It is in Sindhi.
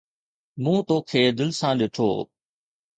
مون توکي دل سان ڏٺو